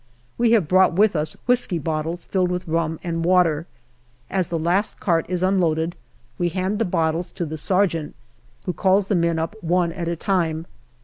We have brought with us whisky bottles filled with rum and water. 278 GALLIPOLI DIARY As the last cart is unloaded, we hand the bottles to the sergeant, who calls the men up one at a time.